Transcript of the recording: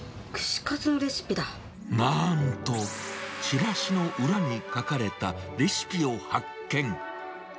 なんと、ちらしの裏に書かれたレシピを発見。